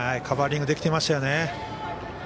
カバーリングできてましたよね。